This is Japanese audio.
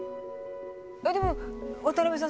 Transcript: えっでも渡辺さん